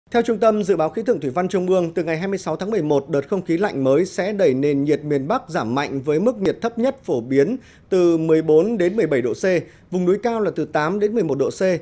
theo trung tâm dự báo khí tượng thủy văn trung ương từ ngày hai mươi sáu tháng một mươi một đợt không khí lạnh mới sẽ đẩy nền nhiệt miền bắc giảm mạnh với mức nhiệt thấp nhất phổ biến từ một mươi bốn một mươi bảy độ c vùng núi cao là từ tám đến một mươi một độ c